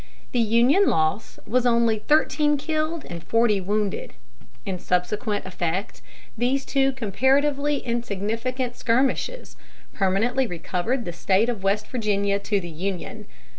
The Union loss was only thirteen killed and forty wounded. In subsequent effect, these two comparatively insignificant skirmishes permanently recovered the State of West Virginia to the Union.